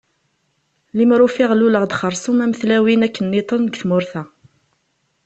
Limer ufiɣ luleɣ-d xersum am tlawin akk niḍen deg tmurt-a.